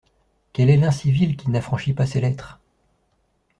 Quel est l’incivil qui n’affranchit pas ses lettres ?